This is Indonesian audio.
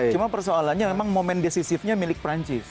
cuma persoalannya memang momen decisifnya milik prancis